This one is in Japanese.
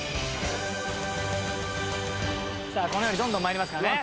さあこのようにどんどん参りますからね。